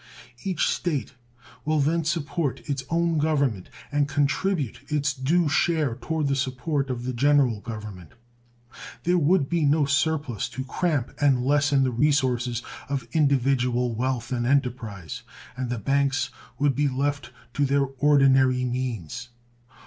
Each State will then support its own government and contribute its due share toward the support of the General Government. There would be no surplus to cramp and lessen the resources of individual wealth and enterprise, and the banks would be left to their ordinary means.